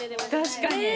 確かに。